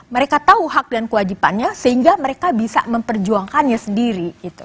mereka tahu hak dan kewajibannya sehingga mereka bisa memperjuangkannya sendiri